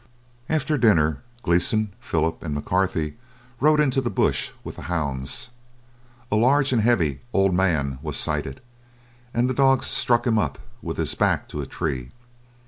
After dinner Gleeson, Philip, and McCarthy rode into the bush with the hounds. A large and heavy "old man" was sighted; and the dogs stuck him up with his back to a tree.